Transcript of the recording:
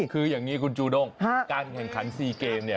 คืออย่างนี้คุณจูด้งการแข่งขัน๔เกมเนี่ย